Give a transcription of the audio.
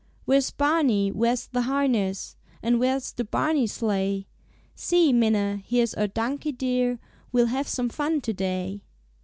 "Where's Barney? Where's the harness? And where's the Barney sleigh? See, Minna, here's our donkey dear, We'll have some fun to day."